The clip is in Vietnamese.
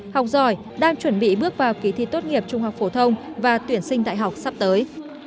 học giỏi đang chuẩn bị bước vào kỳ thi tốt nghiệp trung học phổ thông và tuyển sinh đại học sắp tới